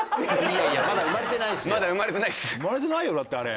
生まれてないよだってあれ。